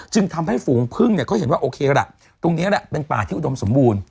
จึงทำให้ฝูงพึ่งเนี่ยเขาเห็นว่าโอเคล่ะตรงนี้แหละเป็นป่าที่อุดมสมบูรณ